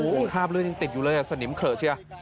โอ้โหข้ามเลือดยังติดอยู่เลยสนิมเขลือเชื่อ